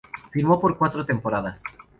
Firmo por cuatro temporadas.